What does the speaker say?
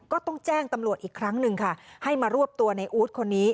ก็ต้องแจ้งตำรวจอีกครั้งหนึ่งค่ะให้มารวบตัวในอู๊ดคนนี้